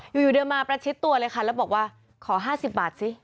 อยู่เดินมาประชิดตัวเลยค่ะแล้วบอกว่าขอ๕๐บาทสิ